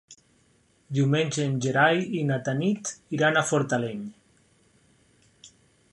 Diumenge en Gerai i na Tanit iran a Fortaleny.